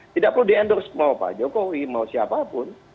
tidak perlu diendorse mau pak jokowi mau siapapun